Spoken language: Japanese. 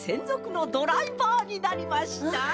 ぞくのドライバーになりました。